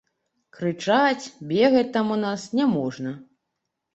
Крычаць, бегаць там у нас няможна.